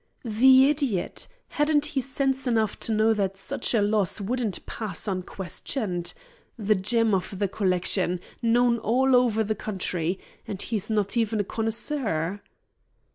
"The idiot! Hadn't he sense enough to know that such a loss wouldn't pass unquestioned? The gem of the collection; known all over the country, and he's not even a connoisseur."